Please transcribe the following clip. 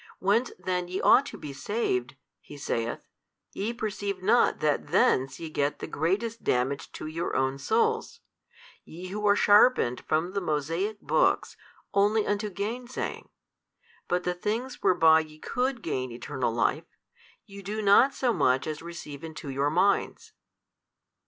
Whence then ye ought to be saved (He saith) ye perceive not that thence |302 ye get the greatest damage to your own souls, ye who are sharpened from the Mosaic books only unto gainsaying, but the things whereby ye could gain eternal life, ye do not so much as receive into your minds.